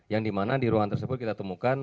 yang dimana di ruangan tersebut kita temukan